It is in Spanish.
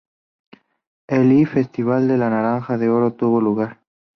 El I Festival de la Naranja de Oro tuvo lugar.